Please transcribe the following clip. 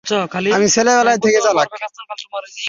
আমি ছোটবেলা থেকেই চালাক।